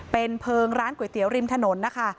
เป็นเพลิงร้านก๋วยเตี๋ยวริมถนนนะคะ